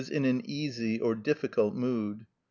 _, in an easy or difficult mood.